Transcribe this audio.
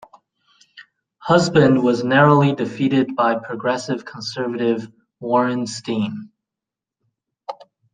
Huband was narrowly defeated by Progressive Conservative Warren Steen.